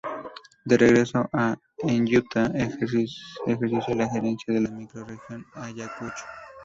De regreso en Huanta, ejerció la gerencia de la microrregión Ayacucho.